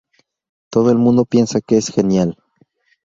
Todo el mundo piensa que es genial.